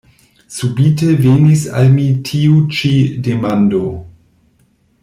Subite venis al mi tiu ĉi demando.